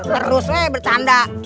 terus teh bercanda